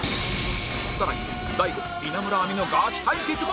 さらに大悟稲村亜美のガチ対決も！